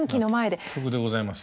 納得でございます。